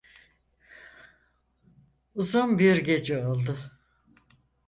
Uzun bir gece oldu.